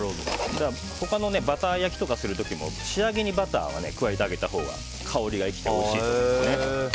他のバター焼きとかをする時も仕上げにバターは加えてあげたほうが香りが生きておいしいですね。